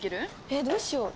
えっどうしよう？